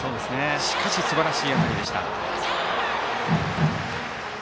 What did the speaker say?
しかしすばらしい当たりでした。